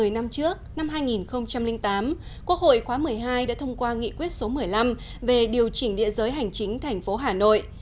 một mươi năm trước năm hai nghìn tám quốc hội khóa một mươi hai đã thông qua nghị quyết số một mươi năm về điều chỉnh địa giới hành chính thành phố hà nội